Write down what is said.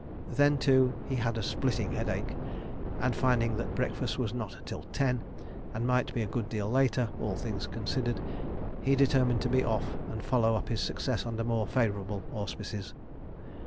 Then, too, he had a splitting headache; and finding that breakfast was not till ten and might be a good deal later, all things considered, he determined to be off and follow up his success under more favourable auspices.